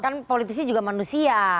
kan politisi juga manusia